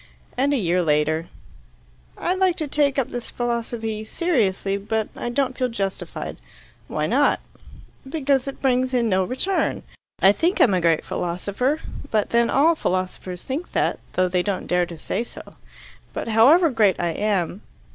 And a year later: "I'd like to take up this philosophy seriously, but I don't feel justified." "Why not?" "Because it brings in no return. I think I'm a great philosopher, but then all philosophers think that, though they don't dare to say so. But, however great I am.